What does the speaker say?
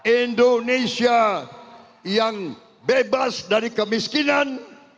indonesia yang bebas dari kemiskinan